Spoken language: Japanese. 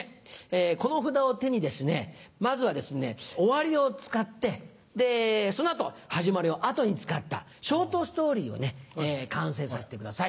この札を手にまずはですね「終」を使ってでその後「始」を後に使ったショートストーリーを完成させてください。